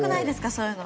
そういうの。